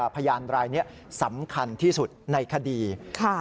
พยานรายนี้สำคัญที่สุดในคดี